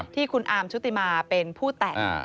ที่คุณอาร์มชุติมาเป็นผู้แต่ง